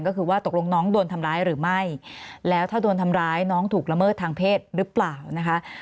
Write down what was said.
ก็คือว่าตกลงน้องโดนทำร้ายหรือไม่แล้วถ้าโดนทำร้ายน้องถูกละเมิดทางเพศหรือเปล่านะคะ